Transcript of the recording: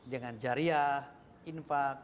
jangan jariah infak